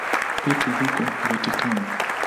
Petro huko Vatikano.